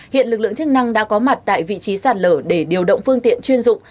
hiện lực lượng chức năng đã có mặt tại vị trí sạt lở để điều động phương tiện chuyên dụng